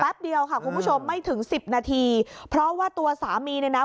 เดียวค่ะคุณผู้ชมไม่ถึงสิบนาทีเพราะว่าตัวสามีเนี่ยนะ